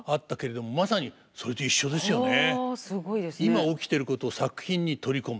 今起きてることを作品に取り込む。